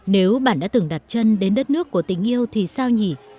nếu bạn đã từng đặt chân đến đất nước của tình yêu thì sao nhỉ